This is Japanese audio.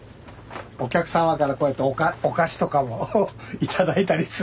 お客様からこうやってお菓子とかも頂いたりするんです。